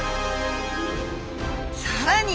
さらに！